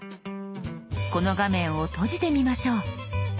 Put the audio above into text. この画面を閉じてみましょう。